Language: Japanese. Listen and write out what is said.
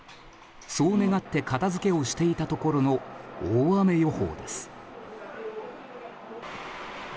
そう願って片づけをしていたところの大雨予報です。